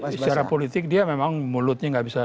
secara politik dia memang mulutnya nggak bisa